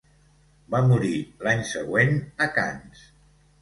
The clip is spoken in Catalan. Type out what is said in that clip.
Va morir l'any següent a Canes.